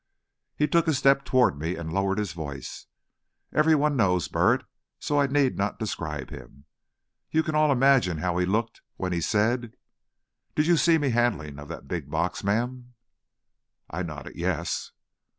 He took a step toward me and lowered his voice. Every one knows Burritt, so I need not describe him. You can all imagine how he looked when he said: "Did you see me handling of the big box, ma'am?" I nodded yes.